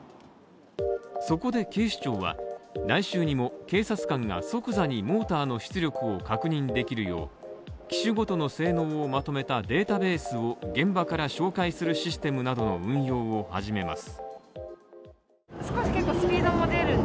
そこで警視庁は、来週にも警察官が即座にモーターの出力を確認できるよう、機種ごとの性能をまとめたデータベースを現場から照会するシステムなどの運用を始めます。